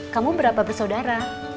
kamu berapa bersaudara